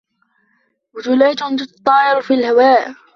بتلاتٌ تتطاير في الهواء.